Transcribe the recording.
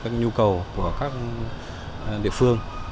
các nhu cầu của các địa phương